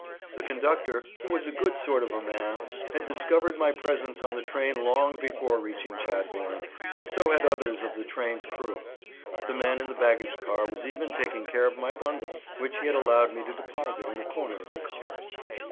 The conductor, who was a good sort of a man, had discovered my presence on the train long before reaching Chadbourn, and so had others of the train's crew. The man in the baggage car was even taking care of my bundles, which he had allowed me to deposit in a corner of the car.